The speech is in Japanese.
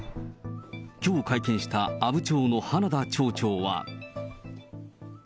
きょう会見した、阿武町の花田町長は。